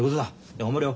頑張れよ。